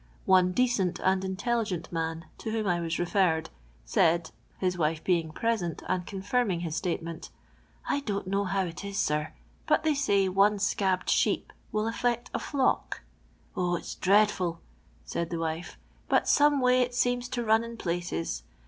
One decent and intelligent man, to whom I was referred, said (his wife being present and confirming his statement) :I don't know how it is, sir, but they sny one scabbed shet'p will afl'ect a flock." *' Uh ! it 's dreadful," said the wife ;" but some way it seems to run in places.